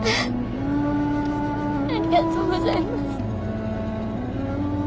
ありがとうございます。